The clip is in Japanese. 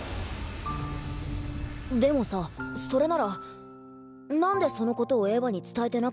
でもさそれならなんでその事をエヴァに伝えてなかったわけ？